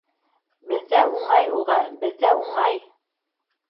—Беҙҙҙә уңай уға, беҙҙә уңай!